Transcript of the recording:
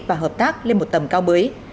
và hợp tác lên một tầm cao mới